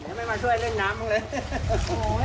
ไม่มาช่วยเล่นน้ำบ้างเลย